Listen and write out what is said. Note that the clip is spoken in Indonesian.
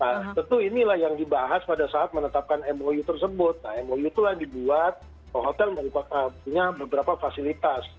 nah tentu inilah yang dibahas pada saat menetapkan mou tersebut nah mou itulah dibuat hotel punya beberapa fasilitas